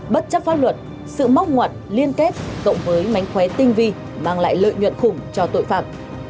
bất chấp pháp luật sự móc ngoặt liên kết cộng với mánh khóe tinh vi mang lại lợi nhuận khủng cho tội phạm